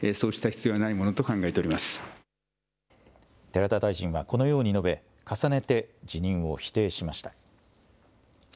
寺田大臣はこのように述べ重ねて辞任を否定しました。